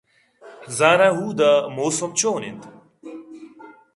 زاناں اُود ءَ موسم چون اِنت؟